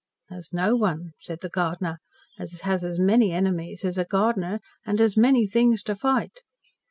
"There's no one," said the gardener, "as has as many enemies as a gardener, an' as many things to fight.